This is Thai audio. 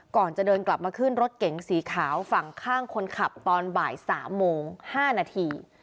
ก่อนจะเดินกลับมาขึ้นรถเก๋งสีขาวฝั่งข้างคนขับตอนบ่าย๓โมง๕นาที